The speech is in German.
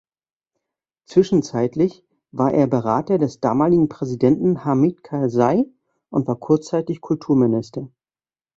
Zwischenzeitlich war er Berater des damaligen Präsidenten Hamid Karzai und war kurzzeitig Kulturminister.